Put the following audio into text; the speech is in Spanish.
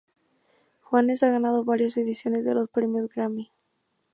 Juanes ha ganado varias ediciones de los premios Grammy.